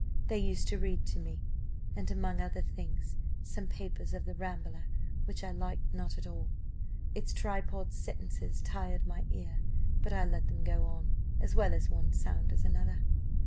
They used to read to me, and, among other things, some papers of 'The Rambler,' which I liked not at all; its tripod sentences tired my ear, but I let them go on as well one sound as another.